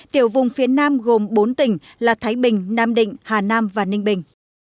tiểu vùng phía nam gồm bốn tỉnh là thái bình nam định hà nam và ninh bình